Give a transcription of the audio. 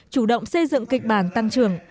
chủ động xây dựng kịch bản tăng trưởng